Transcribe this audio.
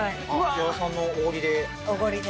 矢田さんのおごりで。